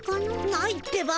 ないってば。